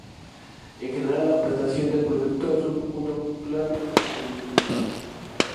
En general, la presentación del producto es un punto clave en su comercialización.